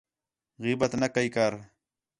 غیبت نہ کَئی کر